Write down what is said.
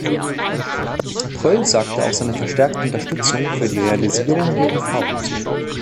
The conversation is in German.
Pröll sagte auch seine verstärkte Unterstützung für die Realisierung der Umfahrung zu.